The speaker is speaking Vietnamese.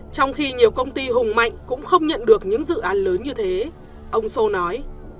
trong khi nhiều công ty hùng mạnh cũng không nhận được những dự án lớn như thế ông sô nói